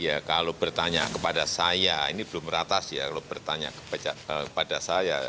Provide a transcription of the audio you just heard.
ya kalau bertanya kepada saya ini belum ratas ya kalau bertanya kepada saya